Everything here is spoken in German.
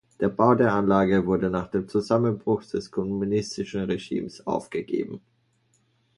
Der Bau der Anlage wurde nach dem Zusammenbruch des kommunistischen Regimes aufgegeben.